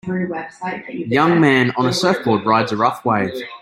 Young man on a surfboard rides a rough wave.